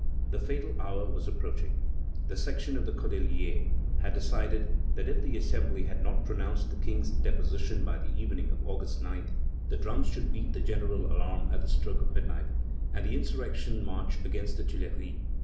The fatal hour was approaching. The section of the Cordeliers had decided that if the Assembly had not pronounced the King's deposition by the evening of August 9th, the drums should beat the general alarm at the stroke of midnight, and the insurrection march against the Tuileries.